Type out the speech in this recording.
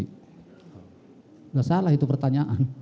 enggak salah itu pertanyaan